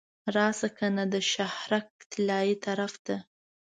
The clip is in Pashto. راشه کنه د شهرک طلایي طرف ته.